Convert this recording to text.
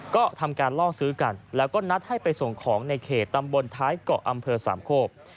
ก็ทำการล่อซื้อกันแล้วก็นัดให้ไปส่งของในเขตตำบลท้ายเกาะอำเภอสามโคก